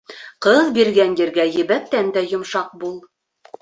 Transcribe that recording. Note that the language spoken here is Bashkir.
Ҡыҙ биргән ергә ебәктән дә йомшаҡ бул